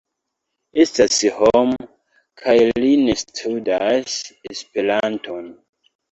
Estas homo, kaj li ne studas Esperanton.